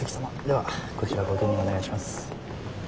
ではこちらご記入をお願いします。